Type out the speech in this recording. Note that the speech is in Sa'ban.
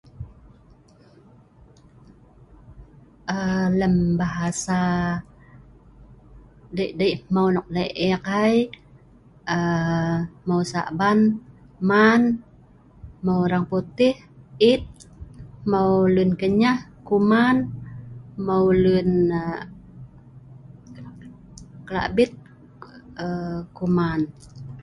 "a""lem bahasa dik-dik meu' nok lek ek ai a""mue sa'ban mau, meu orang putih it, mue lun kenyah uman meu lun kelabit kuman."